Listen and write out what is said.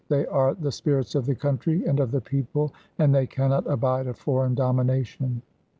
They are the spirits of the country and of the people, and they cannot abide a foreign domination.